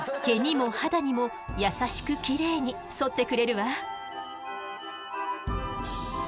毛にも肌にも優しくきれいにそってくれるわ。